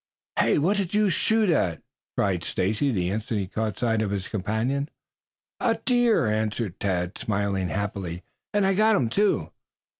"Hey, what did you shoot at?" cried Stacy the instant he caught sight of his companion. "At a deer," answered Tad, smiling happily, "and I got him, too."